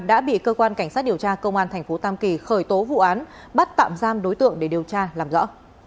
đã bị cơ quan cảnh sát điều tra công an thành phố tam kỳ khởi tố vụ án bắt tạm giam đối tượng để điều tra làm rõ